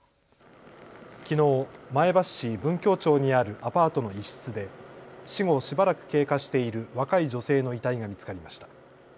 きのう前橋市文京町にあるアパートの一室で死後しばらく経過している若い女性の遺体が見つかりました。